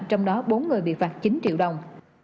trong đó bốn người bị phạt chín triệu đồng